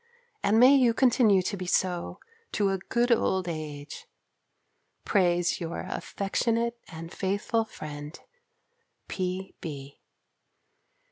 And may you continue to be so to a good old age, prays your affectionate and faithful friend, P.B.